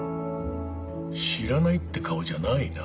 知らないって顔じゃないな。